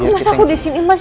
masa aku disini mas